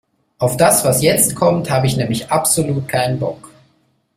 Auf das, was jetzt kommt, habe ich nämlich absolut keinen Bock.